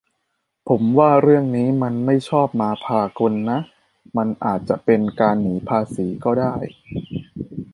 ผมว่าเรื่องนี้มันไม่ชอบมาพากลนะ มันอาจจะเป็นการหนีภาษีก็ได้